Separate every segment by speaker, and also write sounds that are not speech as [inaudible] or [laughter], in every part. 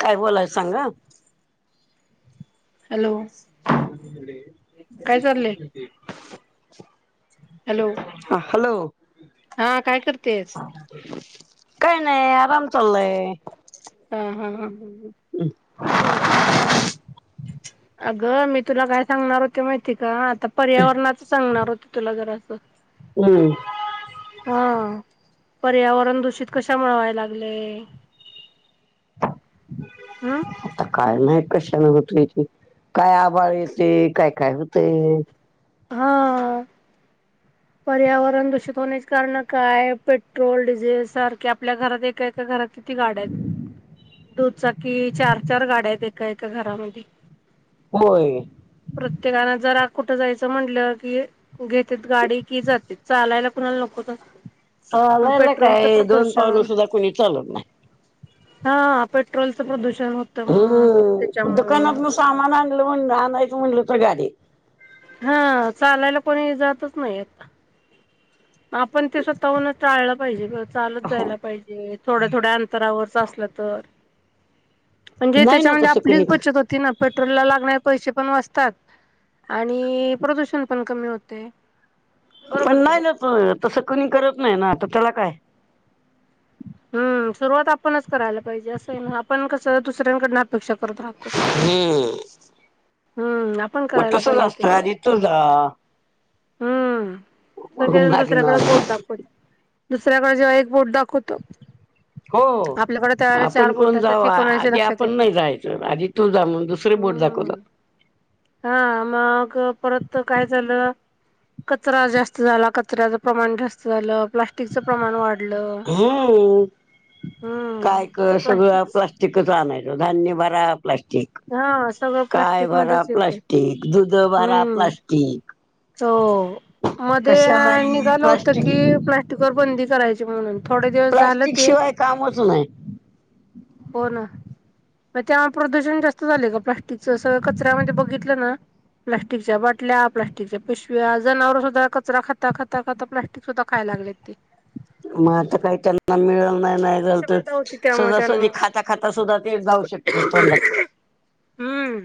Speaker 1: काय बोलाय सांग
Speaker 2: हॅलो काय चाललंय हॅलो
Speaker 1: [unintelligible] हा हॅलो
Speaker 2: हा काय करतेस
Speaker 1: काय नाही आराम चाललय
Speaker 2: हा हा हा बर अगं मी तुला काय सांगणार होते माहिती का आता पर्यावरणाच सांगणार होते तुला जरा असं
Speaker 1: हम्
Speaker 2: हा पर्यावरण दूषित कशा मिळवाय लागले हम्
Speaker 1: आता काय नाही कशाने होतो इथे काय आबाळ येते काय काय बतय
Speaker 2: हा
Speaker 1: ह
Speaker 2: पर्यावरण दूषित होण्याचे कारण काय पेट्रोल डिझेल सारखे आपल्या घरात एका एका घरात किती गाड्या आहेत दुचाकी चार चार गाड्या आहेत एका एका घरामध्ये
Speaker 1: होय
Speaker 2: प्रत्येकाला जरा कुठं जायचं अस म्हंटलं की घेतेत गाडी की जाते चालायला कुणाला नकोचत
Speaker 1: चाललं काय दोन पावलं सुद्धा कोुणी चालत नाही
Speaker 2: हा पेट्रोल स प्र दूष
Speaker 1: हम् दुकानात म सामान आणलं म्हण आणायचं म्हणल तर गाडी
Speaker 2: हा चालायला कोणीजातच नाही आ आपण ते स्वतःहून टाळलं पाहिजे चालत
Speaker 1: हो
Speaker 2: जायला पाहिजे थोड्या थोड्या अंतरावर अस तर म्हणजे
Speaker 1: नाही ना
Speaker 2: त्याच्यामध्ये
Speaker 1: तसं कोणी
Speaker 2: आपलीच बचत होती ना पेट्रोल ला लागणार पैसे पण वाचतात आणि प्रदूषण पण कमी होते
Speaker 1: पण
Speaker 2: बरोबर की
Speaker 1: नाही ना तसं कणी करत नाही ना आता त्याला काय
Speaker 2: हम् सुरुवात आपणच करायला पाहिजे असं आहे ना आपण कसं दुसऱ्यांकड अपेक्षा करत राहतो
Speaker 1: हम्म
Speaker 2: हम्म आपण
Speaker 1: मग
Speaker 2: करायला
Speaker 1: तसच
Speaker 2: पाहिजे ते
Speaker 1: असतं आधी तुझा
Speaker 2: हम्म स
Speaker 1: मग
Speaker 2: दुसऱ्याकडे
Speaker 1: मागणार
Speaker 2: बोट दाखवते दुसऱ्याकडे जेव्हा एक बोट दाखवतो
Speaker 1: हो
Speaker 2: आपल्याकडे त्यावेळेला
Speaker 1: आपण
Speaker 2: चार बोट
Speaker 1: कोण
Speaker 2: असतात
Speaker 1: जाऊ
Speaker 2: ते कोणाच्या
Speaker 1: आधी
Speaker 2: लक्षात
Speaker 1: आपण
Speaker 2: येत
Speaker 1: नाही जायचं आधी तू जा म्ह दुसर बोटधकत
Speaker 2: हम्म हा मग परत काय झालं कचरा जास्त झाला कचऱ्याच प्रमाण जास्त झालं प्लास्टिकचं प्रमाण वाढलं
Speaker 1: हम्म
Speaker 2: हम्म
Speaker 1: काय कर
Speaker 2: प्लास्टिक
Speaker 1: सगळं प्लास्टिकच आणायचं धान्य बरा प्लास्टिक
Speaker 2: हा सगळं
Speaker 1: काय
Speaker 2: प्लास्टिक
Speaker 1: भरा
Speaker 2: मध्येच येते
Speaker 1: प्लास्टिक दुध भरा प्लास्टिक
Speaker 2: त मध्ये
Speaker 1: कशालाही
Speaker 2: निघालं होतं की
Speaker 1: प्लास्टिक
Speaker 2: प्लास्टिक वर बंदी करायची म्हणून थोडे दिवस झालं
Speaker 1: प्लास्टिक
Speaker 2: ते
Speaker 1: शिवाय कामच नाही
Speaker 2: हो ना मग तेव्हा प्रदूषण जास्त झाले का प्लास्टिकच सगळं कचऱ्यामध्ये बघितलं ना प्लास्टिकच्या बाटल्या प्लास्टिकच्या पिशव्या जनावर सुद्धा कचरा खाता खाता खाता प्लास्टिक सुद्धा खायला लागले ते
Speaker 1: मग आता काही त्यांना मिळल नाही
Speaker 2: ते
Speaker 1: नाही झाल तर
Speaker 2: विषबाधा होती त्यामुळे त्यांना
Speaker 1: सजासजी खाता खाता सुद्धा ते जाऊ शकतो तड
Speaker 2: हम्म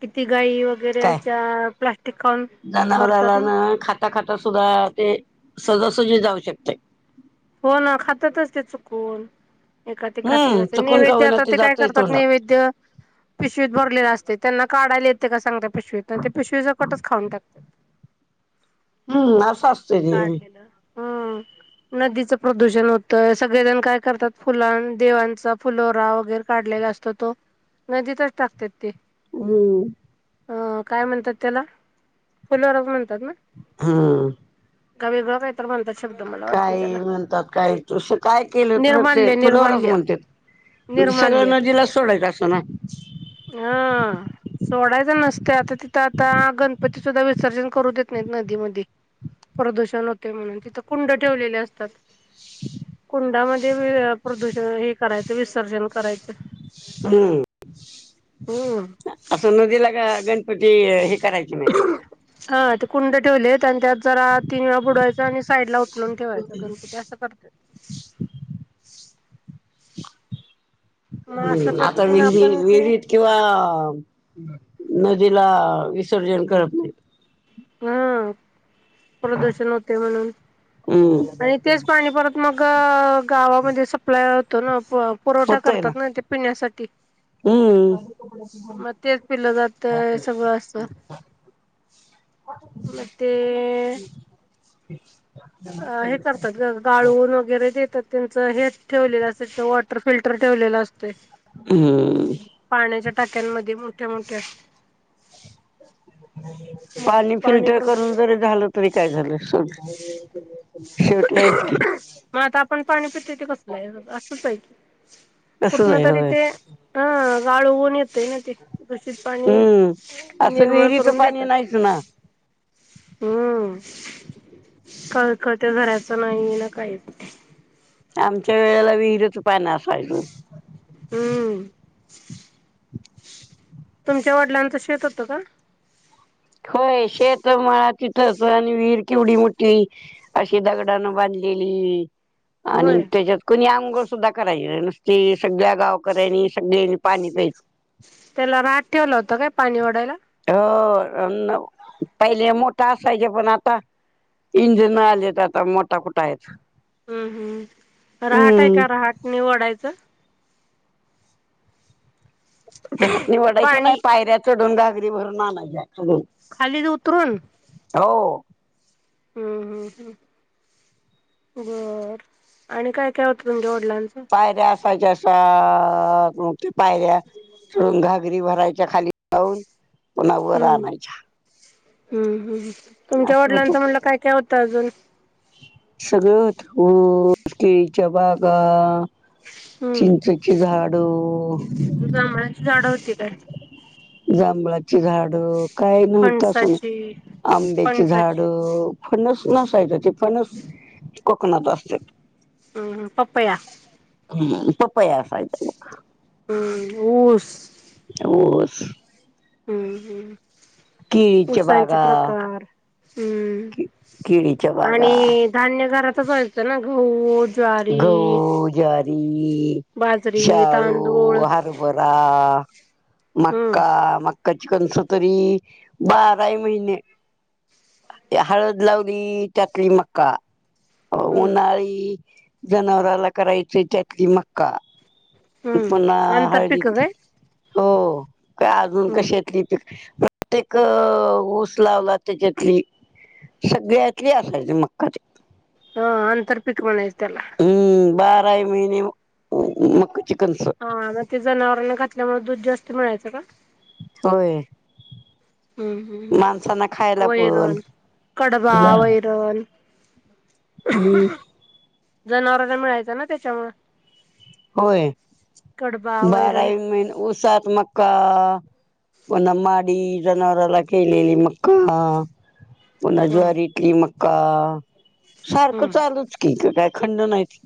Speaker 2: किती गाई वगैरेच्या प्लास्टिक खाऊन मरतात ना
Speaker 1: खता खाता सुद्धा ते सजासजी जाऊ शकते
Speaker 2: हो ना खातातच ते चुकून एिक घातलेले
Speaker 1: हम्म
Speaker 2: असते
Speaker 1: चुकून का
Speaker 2: नैवेद्य
Speaker 1: होईना
Speaker 2: आता ते काय
Speaker 1: जातय
Speaker 2: करतात
Speaker 1: तोंडात.
Speaker 2: नैवेद्य पिशवीत भरलेला असते त्यांना काढायला येते का सांगत पिशवीत ते पिशवीचा कटच खान टाकतात
Speaker 1: हम्म नस अस असत र
Speaker 2: काढलेलं. हम्म नदीचं प्रदूषण होतय सगळेजण काय करतात फुलां देवांचा फुलोरा वगैरे काढले ग असत तो नदीतच टाकत ते
Speaker 1: हमम
Speaker 2: अ काय म्हणतात त्याला फुलवार म्हणतात ना
Speaker 1: हम्म
Speaker 2: का वेगळं काय तर म्हणताच शब्द मला वाटत
Speaker 1: काही म्हणतात काही तु काय केलं तर ते
Speaker 2: निर्माल्य
Speaker 1: फुलवरच
Speaker 2: निर्माल्य
Speaker 1: म्हणतात सगळं
Speaker 2: निर्माल्य
Speaker 1: नदीला सोडायचं असं ना [unintelligible]
Speaker 2: जोडायचं नसते आता तिथं आता पती सुद्धा विसर्जन करू देत नाहीत नदी मध्ये प्रदूषण होते म्हणून तिथं कुंड ठेवलेले कुंडामध्ये प्रदूषण हे करायचं विसर्जन करायचं
Speaker 1: हम्म
Speaker 2: हम्म.
Speaker 1: असं नदीला ग गणपती हे करायची नाहीत
Speaker 2: हा ते कुंड ठेवलेत आणि त्यात जरा तीन वेळा बुडवायच आणि साईड ला उचलून ठेवायचं गणपती असं करतात मग अशा
Speaker 1: आता
Speaker 2: पद्धतीने
Speaker 1: विहि
Speaker 2: आपण ते
Speaker 1: विहिरीत किंवा नदीला विसर्जन करत नाही
Speaker 2: हम् प्रदूषण होते म्हणून
Speaker 1: हम्म
Speaker 2: आणि तेच पाणी परत मग गावामध्ये सप्लाय होतो ना पुरवठा करतात ना ते पिण्यासाठी
Speaker 1: हम्म.
Speaker 2: मग तेच पिलं जात सगळं असत मग ते
Speaker 1: [inaudible]
Speaker 2: अ हे करतात गाळून वगैरे देतात त्यांचं हे ठेवलेलं असे तर वॉटर फिल्टर ठेवलेलं असत
Speaker 1: हम्म
Speaker 2: पाण्याच्या टाक्यांमध्ये मोठ्या मोठ्या मग
Speaker 1: पाणी फिल्टर करून
Speaker 2: प्रदूषण
Speaker 1: जरी झालं तरी काय झालं स
Speaker 2: मग आता आपण पाणी पितो ते कसलं आहे असंच आहे की
Speaker 1: तसच
Speaker 2: कुठन
Speaker 1: आहे
Speaker 2: तरी
Speaker 1: होय.
Speaker 2: ते अह गाळू ऊन येत ना ते दूषित पाणी
Speaker 1: हम्म असं
Speaker 2: निर्मळ
Speaker 1: विहिरीचं
Speaker 2: करून
Speaker 1: पाणी
Speaker 2: देतात
Speaker 1: नाहीच ना
Speaker 2: हम्म कळकळत घरायचं नाही ना काहीच
Speaker 1: आमच्या वेळेला विहिरच पाणी असायचं
Speaker 2: हम्म तुमच्या वडिलांचं शेत होतं का
Speaker 1: होय शेत मळा तिथच आणि विर किवडी मोठी अशी दगडानं बांधली लेली आणि
Speaker 2: होय
Speaker 1: त्याच्यात कणी अ सुद्धा कराय नुसती सगळ्या गावकऱ्यांनी सगळ्यां पाणी प्यायच
Speaker 2: त्याला रहाट ठेवला होता काय पाणी ओढायला
Speaker 1: हो पहिले मोठा असायचे पण आता इंजिन आलीत आता मोठा कुठा आहेत
Speaker 2: हम्म हम्म रहाट आहे का
Speaker 1: हम्म
Speaker 2: रहाट निवडायचं
Speaker 1: रातणी वडायच नाही
Speaker 2: पाणी
Speaker 1: पायऱ्या चढून घागरी भरून आणायच्या हॅलो...
Speaker 2: खाली उतरून
Speaker 1: हॅलो
Speaker 2: हम्म हम् हम् बर आणि काय काय होतं तुमच्या लाच
Speaker 1: पायऱ्या पायऱ्या चढून घागरी भरायच्या खाली जाऊन पुणा वर
Speaker 2: हम्म
Speaker 1: आणयच्या
Speaker 2: हम्म हम् तुमच्या वडिलांचं म्हणलं काय काय होतं अजून
Speaker 1: सगळं होत ऊस केळीच्या बागा
Speaker 2: हम्म
Speaker 1: चिंचेचे झाड
Speaker 2: जांभळाची झाडं होती काय?
Speaker 1: जांभळाची झाड काय नव्हत असून
Speaker 2: फणसाची
Speaker 1: आंब्याची झाड,
Speaker 2: फणसाची
Speaker 1: फणस नसायच ते फणस कोकणात असत्यात.
Speaker 2: हम्म पपया.
Speaker 1: ह् पपया असायचा.
Speaker 2: ह ऊस
Speaker 1: ऊस
Speaker 2: हम्म, हम् [inaudible]
Speaker 1: केळीच्या
Speaker 2: ऊसांचे
Speaker 1: बागा,
Speaker 2: प्रकार हम्म
Speaker 1: केळीच्या बागा
Speaker 2: आणि धान्य घरातच व्हायच ना गहू ज्वारी,
Speaker 1: गहू, ज्वारी
Speaker 2: बाजरी,
Speaker 1: शाळू,
Speaker 2: तांदूळ
Speaker 1: हरभरा,
Speaker 2: हम्म
Speaker 1: मक्का, मक्क कणस तरी बाराइ महिने ते हळद लाव ली त्यातली मक वा
Speaker 2: हम्म
Speaker 1: उन्हाळी जनावराला करायची त्यातली मक्का.
Speaker 2: हम्म
Speaker 1: पुन्हा
Speaker 2: आंतरपिक
Speaker 1: हळदीतली.
Speaker 2: काय?
Speaker 1: हो का अजून
Speaker 2: हम्म
Speaker 1: कशातली? प्रत्येक ऊस लावला त्याच्यातली सगळ्यातली असायची मक्काचे
Speaker 2: हा आंतर् पिक म्हणायचं त्याला.
Speaker 1: काही महिने उ उ
Speaker 2: हा मग ते जनावरांना घातल्यामुळे दूध जास्त मिळायचं का?
Speaker 1: होय.
Speaker 2: हम्म हम्म
Speaker 1: [inaudible]
Speaker 2: हम्म
Speaker 1: माणसांना खायला पण
Speaker 2: वैरण कडबा
Speaker 1: हम्म.
Speaker 2: वैरण
Speaker 1: हम्.
Speaker 2: जनावरांना मिळायचं ना त्याच्यामुळ.
Speaker 1: होय
Speaker 2: वैरण
Speaker 1: बाराही महिने उसात मक्का पन माडी जनावारला केलेली मका ह. पुन्हा
Speaker 2: हम्म
Speaker 1: ज्वारीतली मक्का सारखं
Speaker 2: हम्म
Speaker 1: चालूच की. कायखंड नाहीती.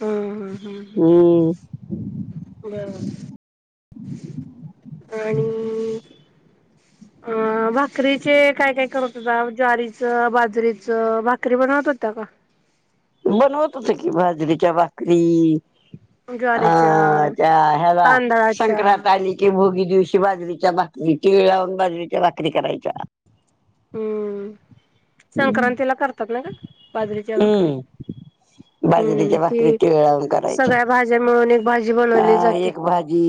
Speaker 2: हम, हम, हम्, ह बर. [inaudible] आणि
Speaker 1: [inaudible]
Speaker 2: अ भाकरीचे काय काय करत होता ज्वारीचं, बाजरीचं भाकरी बनवत होता का?
Speaker 1: बनवत होतो की बाजरीच्या भाकरी.
Speaker 2: ज्वारीच्या
Speaker 1: हा त्या हेला
Speaker 2: तांदळाच्या
Speaker 1: संक्रांत आली की भोगी दिवशी बाजरीच्या भाकरी तीळ लावून बाजरीच्या भाकरी करायच्या.
Speaker 2: हम्म संक्रांतीला करतात ना गं बाजरीच्या भाकरी.
Speaker 1: हम्म
Speaker 2: हम्म
Speaker 1: बाजरीच्या भाकरी
Speaker 2: ती
Speaker 1: तीळ लावून करायच्या
Speaker 2: सगळ्या भाज्या मिळून एक भाजी बनवली जाते.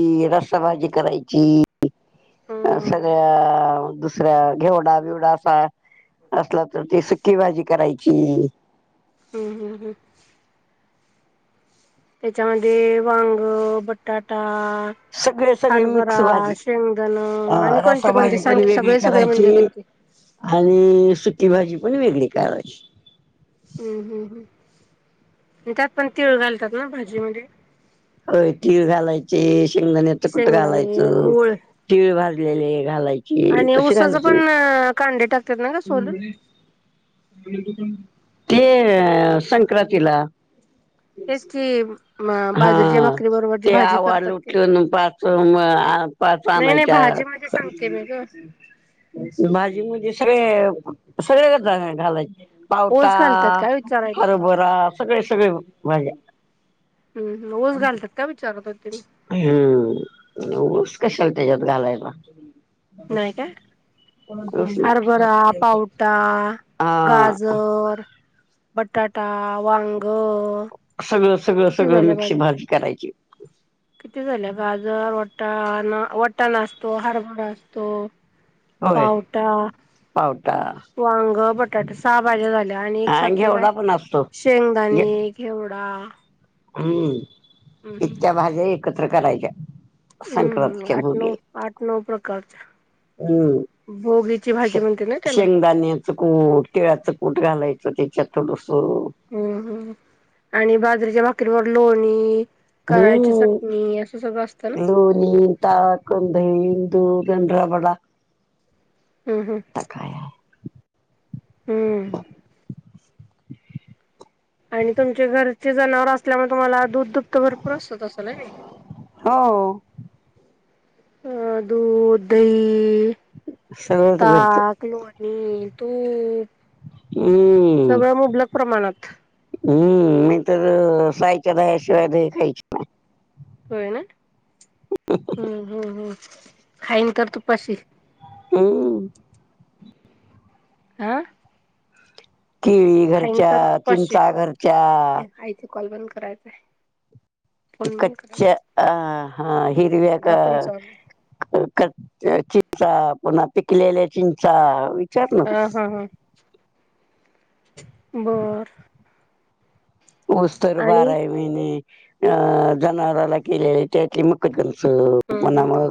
Speaker 1: ती रसाभाजी करायची. अ
Speaker 2: हम्म
Speaker 1: सगळ्या दुसऱ्या घेवडा, बिवडा असा असला तर ती सुक्की भाजी करायची.
Speaker 2: हम्म, हम्म, हम्. त्याच्यामध्ये वांग, बटाटा
Speaker 1: सगळे सगळे
Speaker 2: हरभरा,
Speaker 1: मिक्स भाजी
Speaker 2: शेंगदाण
Speaker 1: अ
Speaker 2: आणि कोणते-कोणते
Speaker 1: रसाभाजी
Speaker 2: सां
Speaker 1: पण
Speaker 2: गं
Speaker 1: वेगळी
Speaker 2: सगळे सगळे
Speaker 1: करायची
Speaker 2: म्हणजे किती?
Speaker 1: आणि सुकी भाजी पण वेगळी करायची.
Speaker 2: हम्म, हम्म, हम् त्यात पण तीळ घालतात ना भाजी मध्ये.
Speaker 1: होय तीळ घालायचे शेंगदाण्याच कुठ
Speaker 2: शेंगदाणे,
Speaker 1: घालायचं.
Speaker 2: गूळ
Speaker 1: तिळ भाजलेले घालायचे
Speaker 2: आणि
Speaker 1: तशी
Speaker 2: ऊसाचं
Speaker 1: घालायचे
Speaker 2: पण
Speaker 1: नाहीत.
Speaker 2: कांडे टाकतात ना ग सोलून?
Speaker 1: [inaudible] ते संक्रांतीला.
Speaker 2: तेच की मा बाजरीच्या
Speaker 1: हा
Speaker 2: भाकरीब
Speaker 1: ते आवान उठून पाच अ पाच
Speaker 2: नाही नाही
Speaker 1: आणायच्या.
Speaker 2: भाजी मध्ये सांगते मी ग.
Speaker 1: बाजी मुजी सगळे, सगळे जण घालायच पावटा,
Speaker 2: ओस घालतात काय विचारायले?
Speaker 1: हरभरा, सगळे सगळे भाज्या.
Speaker 2: हू ऊस घालतात काय? विचारात होतं.
Speaker 1: हम्म. ऊस कशाला त्याच्यात घालायला.
Speaker 2: नाही काय,
Speaker 1: ऊस नाही
Speaker 2: हरबरा, पाऊटा,
Speaker 1: हा
Speaker 2: गाजर, बटाटा, वांग,
Speaker 1: सगळं सगळं
Speaker 2: किती
Speaker 1: सगळं
Speaker 2: झाल्या
Speaker 1: मिक्स
Speaker 2: भाज्या?
Speaker 1: भाजी करायची
Speaker 2: किती झाले? गाजर, वटाणा, वटाणा असतो, हरभरा असतो.
Speaker 1: होय
Speaker 2: पावटा.
Speaker 1: पावटा
Speaker 2: वांग, बटाटे सहा भाज्या झाल्या आणि एक सातवी काय?
Speaker 1: घेवडा पण असतो घे
Speaker 2: शेंगदाणे, घेवडा.
Speaker 1: हम्म.
Speaker 2: हम्म
Speaker 1: इतक्या भाज्या एकत्र करायच्या.
Speaker 2: हम्म
Speaker 1: संक्रांतीच्या
Speaker 2: आठ
Speaker 1: भोगी
Speaker 2: नऊ
Speaker 1: ला
Speaker 2: आठ नऊ प्रकारच्या
Speaker 1: हम्म.
Speaker 2: भोगीची
Speaker 1: शे
Speaker 2: भाजी म्हणते ना त्याला
Speaker 1: शेंगदान्याच कूट, तिळाचं कूट, घालायचं ते. चतुलुसू.
Speaker 2: हम्म हम्म आणि बाजरीच्या भाकीवर लोणी. कराळ ची
Speaker 1: हम्म
Speaker 2: चटणी. असं सगळं असतं ना
Speaker 1: लोणी, ताक, दही, दुधं आणि रबडा.
Speaker 2: हम्म हम्म.
Speaker 1: आता काय आहे.
Speaker 2: हम्म. आणि तुमचे घरचे जनावर असल्यामुळे तुम्हाला दूध दुभत भरपूर असत असलं होय नी?
Speaker 1: हो.
Speaker 2: अ दूध, दही,
Speaker 1: सगळंच घरचं
Speaker 2: ताक, लो णी, तूप
Speaker 1: हम्म.
Speaker 2: सगळं मुबलक प्रमाणात.
Speaker 1: हम्म. मी तर सायच्या दह्याशिवाय दही खायची नाही.
Speaker 2: होय ना, हम्म हम्म हम्म खाईन तर तूपाशी.
Speaker 1: नाही हम्म.
Speaker 2: आ.
Speaker 1: केळी घरच्या,
Speaker 2: तुपाशी
Speaker 1: चिंचा घरच्या,
Speaker 2: आईचा कॉल बंद करायचाय. फोन बंद करायचा
Speaker 1: कच्च्या अ ह हिरव्या का?
Speaker 2: दहा पंचावन्न
Speaker 1: क च्या चिंचा, पुन्हा पिकलेल्या चिंचा. विचार नको.
Speaker 2: हा हा हम बर.
Speaker 1: ऊस तर
Speaker 2: आणि
Speaker 1: बाराही महिने, अ जनावराला केलेले त्यातले मक कण. स
Speaker 2: हम्म
Speaker 1: म्हणा
Speaker 2: हम्म
Speaker 1: मग,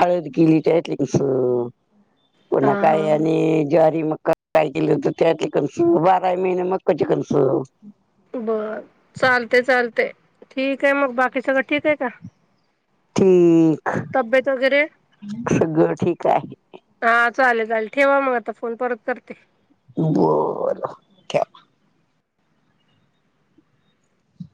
Speaker 1: हळद केली त्यातली स
Speaker 2: हा
Speaker 1: कोणा
Speaker 2: हा
Speaker 1: काय,
Speaker 2: हा
Speaker 1: आणि ज्वारी मग काय केलं होत त्यातली, कणसं बाराही महिने मक्काची कणसं.
Speaker 2: बर चालते, चालते. ठीक आहे मग, बाकी सगळं ठीक आहे का?
Speaker 1: [unintelligible]
Speaker 2: तब्येत वगैरे.
Speaker 1: सगळं ठीक आहे.
Speaker 2: हा चालेल, चालेल. ठेवा मग आता फोन परत करते.
Speaker 1: बर ठेवा.